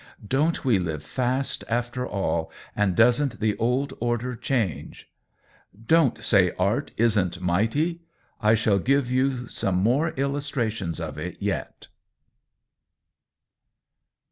Don't we Hve fast, after all, and doesn't the old order change ? Don't say art isn't mighty ! I shall give you some more illustrations of it yet.